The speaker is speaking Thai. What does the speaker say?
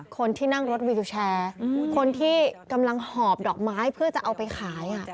คนที่นั่งรถวิวแชร์คนที่กำลังหอบดอกไม้เพื่อจะเอาไปขาย